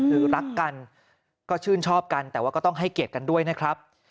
คือรักกันก็ชื่นชอบกันแต่ว่าก็ต้องให้เกียรติกันด้วยนะครับ